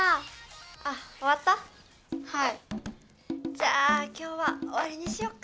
じゃあ今日はおわりにしよっか。